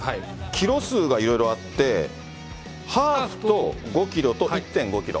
キロ数がいろいろあって、ハーフと５キロと１．５キロ。